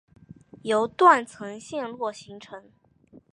由断层陷落形成。